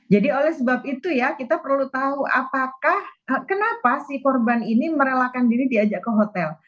jadi oleh sebab itu ya kita perlu tahu kenapa si korban ini merelakan diri diajak ke hotel